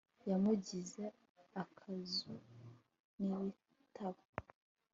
yamugize akazu k'ibitabo